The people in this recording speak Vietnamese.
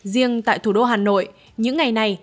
riêng tại thủ đô hà nội những ngày này